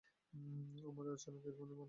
আমরা অর্চনাকে ইরফানের মাধ্যমেই চিনি।